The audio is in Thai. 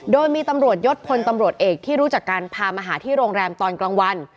โดยมีตำรวจยศพลตำรวจเอกที่รู้จักการพามาหาที่โรงแรมตอนกลางวัน